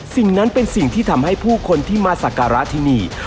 สิ่งนั้นเป็นสิ่งที่ทำให้ผู้คนที่มาสักการะที่นี่